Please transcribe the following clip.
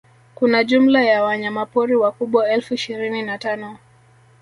kuna jumla ya wanyamapori wakubwa elfu ishirini na tano